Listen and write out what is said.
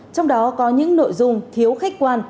trong đó có những nội dung thiếu khách quan